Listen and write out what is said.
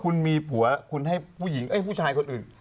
คุณมีผัวคุณให้ผู้ยิงแล้วผู้ชายคุณอื่น